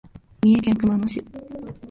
三重県熊野市